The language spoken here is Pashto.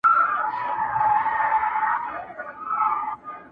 پلار ویله څارنوال ته نه پوهېږي,